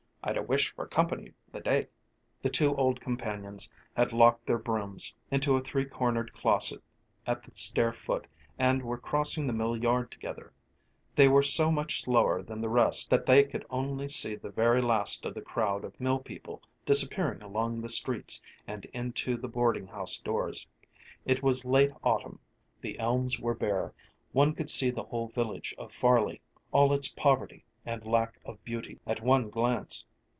"I'd a wish for company the day." The two old companions had locked their brooms into a three cornered closet at the stair foot and were crossing the mill yard together. They were so much slower than the rest that they could only see the very last of the crowd of mill people disappearing along the streets and into the boarding house doors. It was late autumn, the elms were bare, one could see the whole village of Farley, all its poverty and lack of beauty, at one glance.